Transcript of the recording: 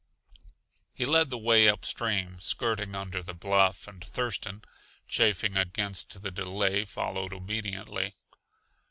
He led the way upstream, skirting under the bluff, and Thurston, chafing against the delay, followed obediently.